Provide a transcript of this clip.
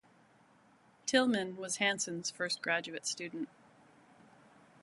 Tilghman was Hanson's first graduate student.